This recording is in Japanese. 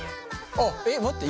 えっ待って！